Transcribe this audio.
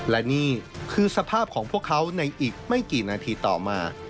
และนี่คือสภาพของพวกเขาในอีกไม่กี่นาทีต่อมา